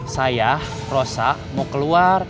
saya rosa mau keluar